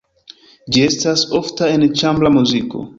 Ĝi estas ofta en ĉambra muziko.